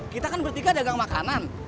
kita kan bertiga dagang makanan